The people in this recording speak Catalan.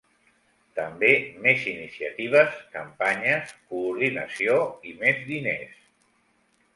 També més iniciatives, campanyes, coordinació i més diners.